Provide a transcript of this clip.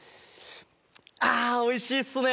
あおいしいっすね